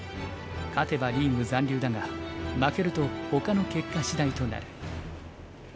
勝てばリーグ残留だが負けるとほかの結果しだいとなる。